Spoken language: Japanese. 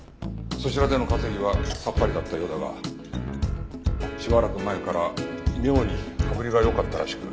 そちらでの稼ぎはさっぱりだったようだがしばらく前から妙に羽振りが良かったらしく。